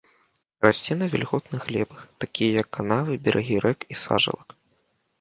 Расце на вільготных глебах, такіх як канавы, берагі рэк і сажалак.